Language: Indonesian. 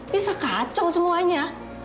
bisa kacau semuanya